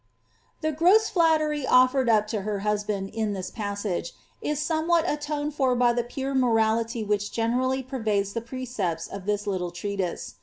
The gross flattery offered up to her husband in this passage, is some what atoned for by the pure morality wliich generally pervades the pre cepts of this little treatise.